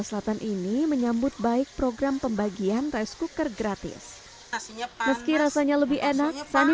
selatan ini menyambut baik program pembagian rice cooker gratis meski rasanya lebih enak sani